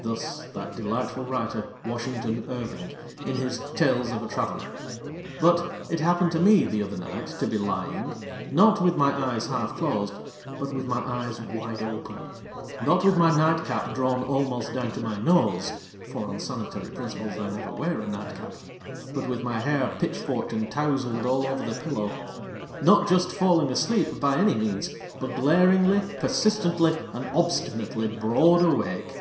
Thus, that delightful writer, WASHINGTON IRVING, in his Tales of a Traveller. But, it happened to me the other night to be lying : not with my eyes half closed, but with my eyes wide open ; not with my nightcap drawn almost down to my nose, for on sanitary principles I never wear a nightcap : but with my hair pitchforked and touzled all over the pillow ; not just falling asleep by any means, but glaringly, persistently, and obstinately, broad awake.